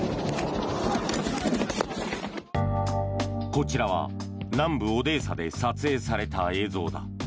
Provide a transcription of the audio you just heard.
こちらは南部オデーサで撮影された映像だ。